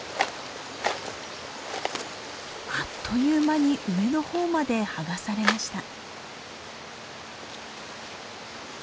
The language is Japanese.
あっという間に上の方まで剥がされました。